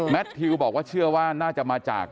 ทิวบอกว่าเชื่อว่าน่าจะมาจาก